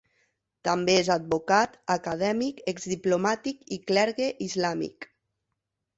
També és advocat, acadèmic, exdiplomàtic i clergue islàmic.